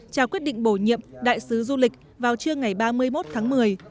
trao quyết định bổ nhiệm đại sứ du lịch vào trưa ngày ba mươi một tháng một mươi